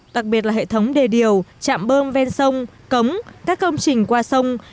đặc biệt là hệ thống đề điều chạm bơm ven sông cống các công trình qua sông